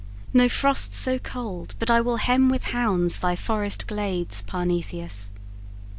No frost so cold But I will hem with hounds thy forest glades, Parthenius.